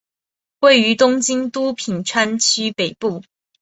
位于东京都品川区北部。